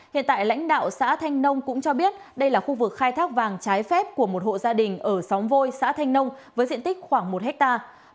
hiện tại lãnh đạo xã thanh nông cũng cho biết đây là khu vực khai thác vàng trái phép của một hộ gia đình ở xóm vôi xã thanh nông với diện tích khoảng một hectare